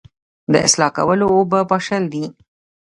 اصلاح کول اوبه پاشل دي